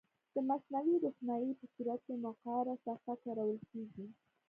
د مصنوعي روښنایي په صورت کې مقعره صفحه کارول کیږي.